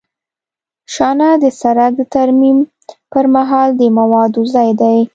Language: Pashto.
شانه د سرک د ترمیم پر مهال د موادو ځای دی